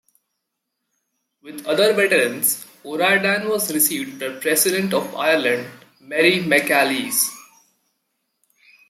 With other veterans O'Riordan was received by President of Ireland Mary McAleese.